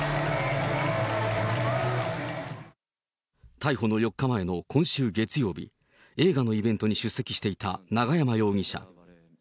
逮捕の４日前の今週月曜日、映画のイベントに出席していた永山容疑者。